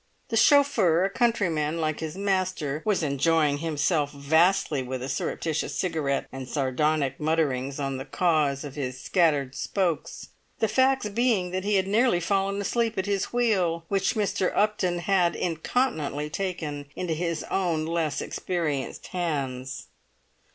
The chauffeur, a countryman like his master, was enjoying himself vastly with a surreptitious cigarette and sardonic mutterings on the cause of his scattered spokes; the facts being that he had nearly fallen asleep at his wheel, which Mr. Upton had incontinently taken into his own less experienced hands.